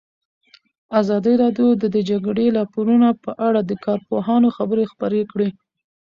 ازادي راډیو د د جګړې راپورونه په اړه د کارپوهانو خبرې خپرې کړي.